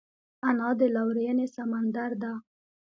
انا د لورینې سمندر ده